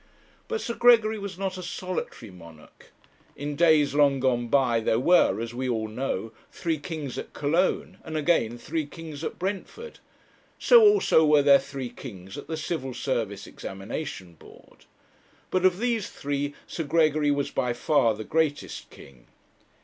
But Sir Gregory was not a solitary monarch. In days long gone by there were, as we all know, three kings at Cologne, and again three kings at Brentford. So also were there three kings at the Civil Service Examination Board. But of these three Sir Gregory was by far the greatest king.